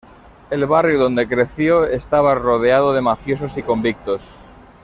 El barrio donde creció estaba rodeado de mafiosos y convictos.